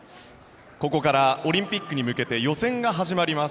ここからオリンピックに向けて予選が始まります。